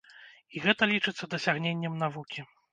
І гэта лічыцца дасягненнем навукі.